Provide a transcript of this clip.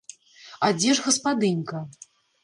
А дзе ж гаспадынька?